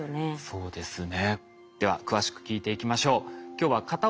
そうですね。